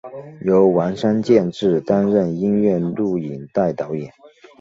由丸山健志担任音乐录影带导演。